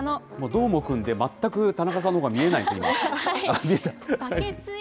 どーもくんで全く田中さんのことが見えないという、今。